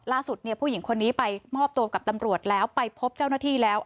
ผู้หญิงคนนี้ไปมอบตัวกับตำรวจแล้วไปพบเจ้าหน้าที่แล้ว